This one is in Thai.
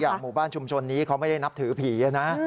หมู่บ้านชุมชนนี้เขาไม่ได้นับถือผีนะ